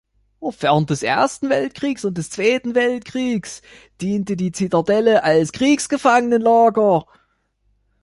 Während des Ersten Weltkrieges und des Zweiten Weltkrieges diente die Zitadelle als Kriegsgefangenenlager.